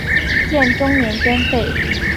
建中年间废。